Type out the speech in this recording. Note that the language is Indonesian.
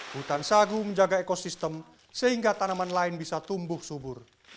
hutan sagu menjaga ekosistem sehingga tanaman lain bisa tumbuh subur